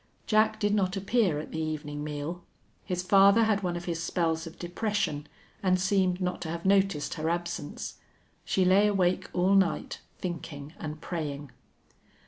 Jack did not appear at the evening meal. His father had one of his spells of depression and seemed not to have noticed her absence. She lay awake all night thinking and praying.